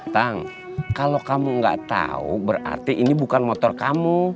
tang kalau kamu nggak tahu berarti ini bukan motor kamu